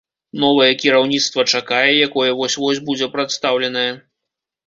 Новае кіраўніцтва чакае, якое вось-вось будзе прадстаўленае.